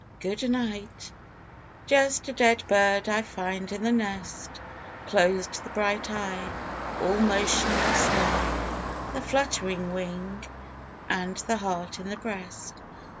Good night Just a dead bird I find in the nest, Closed the bright eye, All motionless lie The fluttering wing and the heart in the breast.